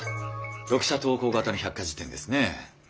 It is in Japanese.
読者投稿型の百科事典ですね。